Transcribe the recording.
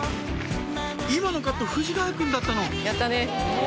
今のカット藤ヶ谷君だったの？